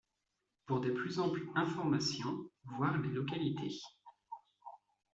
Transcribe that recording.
Pour des plus amples informations, voir les localités.